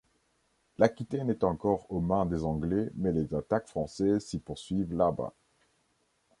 L'Aquitaine est encore aux mains des Anglais mais les attaques françaises s'y poursuivent là-bas.